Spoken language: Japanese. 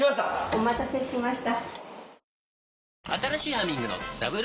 お待たせしました。